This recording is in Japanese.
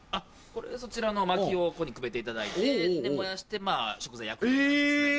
これそちらの薪をここにくべていただいて燃やして食材焼くとかですね。